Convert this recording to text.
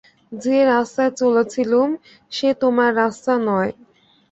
যে রাস্তায় চলেছিলুম, সে তোমার রাস্তা নয়।